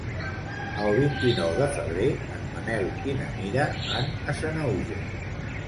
El vint-i-nou de febrer en Manel i na Mira van a Sanaüja.